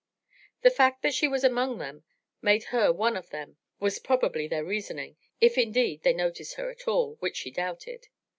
The fact that she was among them, made her one of them, was probably their reasoning, if, indeed, they noticed her at all, which she doubted.